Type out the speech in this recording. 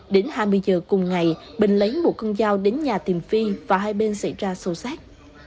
đến hai mươi giờ cùng ngày bình lấy một con dao đến nhà tìm phi và hai bên xảy ra sâu sát